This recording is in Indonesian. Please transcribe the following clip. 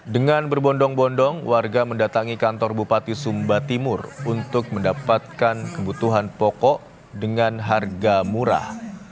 dengan berbondong bondong warga mendatangi kantor bupati sumba timur untuk mendapatkan kebutuhan pokok dengan harga murah